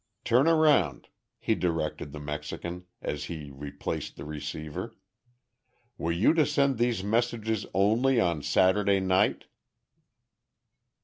"Turn around," he directed the Mexican, as he replaced the receiver. "Were you to send these messages only on Saturday night?"